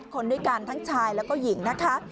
คนด้วยกันทั้งชายแล้วก็หญิงนะคะ